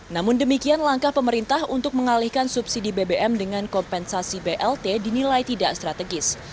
namun demikian langkah pemerintah untuk mengalihkan subsidi bbm dengan kompensasi blt dinilai tidak strategis